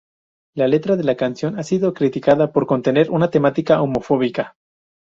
La letra de la canción ha sido criticada por contener una temática homofóbica.